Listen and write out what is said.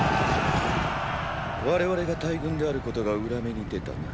我々が大軍であることが裏目に出たな。